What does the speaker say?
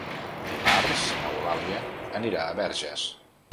Dimarts n'Eulàlia anirà a Verges.